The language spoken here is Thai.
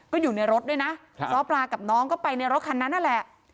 ก็อยู่ในรถด้วยนะซ้อปลากับน้องก็ไปในรถคันนั้นนั่นแหละ